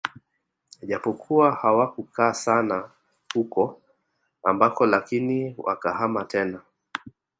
Japokuwa hawakukaa sana huko ambako lakini wakahama tena